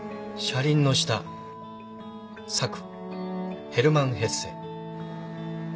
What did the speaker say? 「『車輪の下』作ヘルマン・ヘッセ。